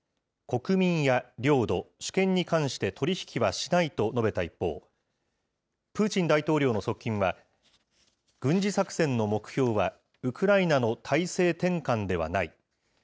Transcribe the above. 国民や領土、主権に関して取り引きはしないと述べた一方、プーチン大統領の側近は、軍事作戦の目標は、ウクライナの体制転換ではない。